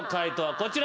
こちら。